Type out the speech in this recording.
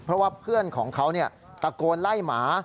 เพราะว่าเพื่อนของเขาตะโกนไล่หมา